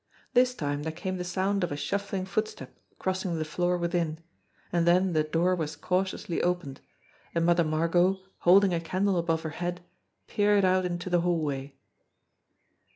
This time there came the sound of a shuf fling footstep crossing the floor within, and then the door was cautiously opened, and Mother Margot, holding a candle above her head, peered out into the hallway.